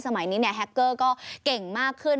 สมัยนี้แฮคเกอร์ก็เก่งมากขึ้น